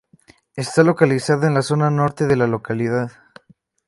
Está localizada en la zona norte de la localidad.